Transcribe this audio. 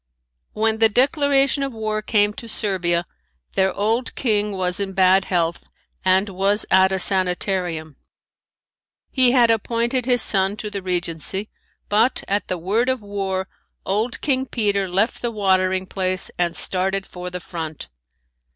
When the declaration of war came to Servia, their old king was in bad health and was at a sanitarium. He had appointed his son to the regency. But at the word of war, old King Peter left the watering place and started for the front.